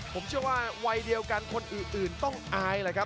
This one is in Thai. ผมเชื่อว่าวัยเดียวกันคนอื่นต้องอายแหละครับ